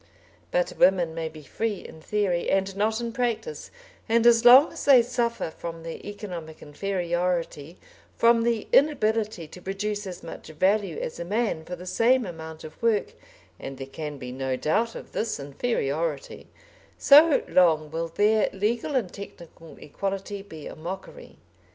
But women may be free in theory and not in practice, and as long as they suffer from their economic inferiority, from the inability to produce as much value as a man for the same amount of work and there can be no doubt of this inferiority so long will their legal and technical equality be a mockery.